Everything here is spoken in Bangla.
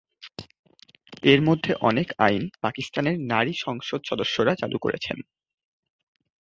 এর মধ্যে অনেক আইন পাকিস্তানের নারী সংসদ সদস্যরা চালু করেছেন।